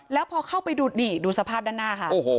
แล้วพอเข้าไปดูนี่ดูสภาพด้านหน้าค่ะ